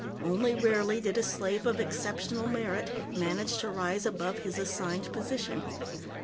Only rarely did a slave of exceptional merit manage to rise above his assigned position.